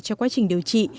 cho quá trình điều trị